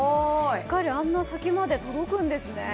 しっかりあんな先まで届くんですね